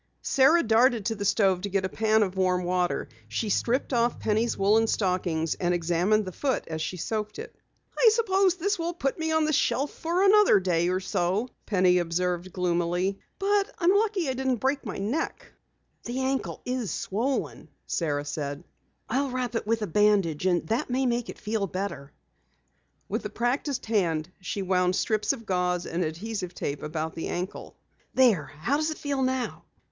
Sara darted to the stove to get a pan of warm water. She stripped off Penny's woolen stockings and examined the foot as she soaked it. "I suppose this will put me on the shelf for another day or so," Penny observed gloomily. "But I'm lucky I didn't break my neck." "The ankle is swollen," Sara said, "I'll wrap it with a bandage and that may make it feel better." With a practiced hand she wound strips of gauze and adhesive tape about the ankle. "There, how does it feel now?"